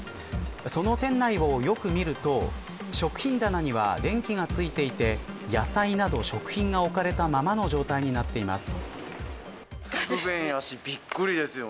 その店内をよく見ると食品棚には電気がついていて野菜など食品が置かれたままの状態になっています。